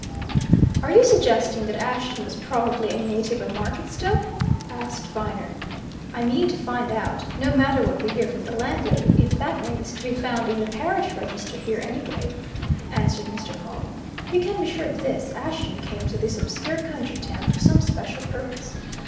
"Are you suggesting that Ashton was probably a native of Marketstoke?" asked Viner. "I mean to find out no matter what we hear from the landlady if that name is to be found in the parish register here, anyway," answered Mr. Pawle. "You can be sure of this Ashton came to this obscure country town for some special purpose.